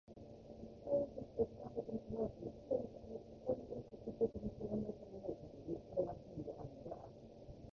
行為的直観的に即ちポイエシス的に証明せられるかぎり、それが真であるのである。